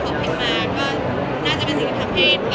ขอบคุณภาษาให้ด้วยเนี่ย